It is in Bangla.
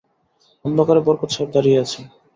অন্ধকারে বরকত সাহেব দাঁড়িয়ে আছেন।